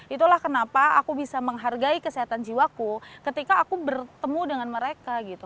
itulah kenapa aku bisa menghargai kesehatan jiwaku ketika aku bertemu dengan mereka gitu